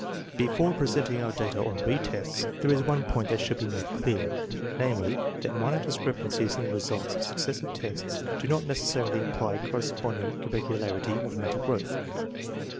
Before presenting our data on re tests there is one point that should be made clear; namely, that minor discrepancies in the results of successive tests do not necessarily imply corresponding irregularity of mental growth.